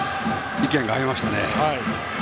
意見が合いましたね。